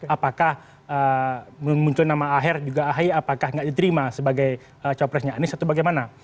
apakah muncul nama aher juga ahy apakah tidak diterima sebagai capresnya anies atau bagaimana